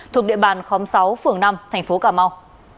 thuộc địa bàn sáu phường năm tp cà mau